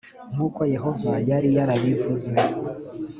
nk uko yehova yari yarabivuze